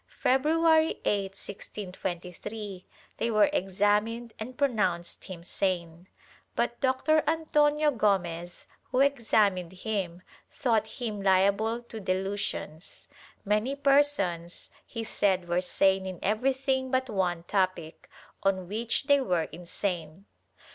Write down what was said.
February 8, 1623, they were examined and pronounced him sane, but Dr. Antonio G6mez, who examined him, thought him liable to delusions; many persons, he said were sane in everything but one topic, on which they were insane.